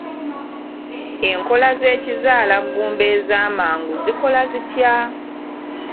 Enkola z'ekizaalaggumba ez'amangu zikola zitya?